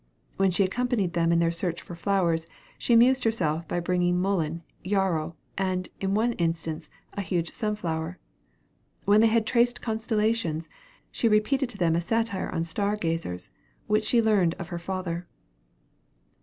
When she accompanied them in their search for flowers, she amused herself by bringing mullen, yarrow, and, in one instance, a huge sunflower. When they had traced constellations, she repeated to them a satire on star gazers, which she learned of her father.